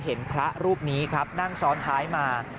เห็นพระรูปนี้ครับนั่งซ้อนท้ายมา